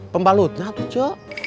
pembalutnya tuh cu